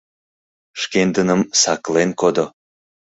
Шкендыным саклен кодо!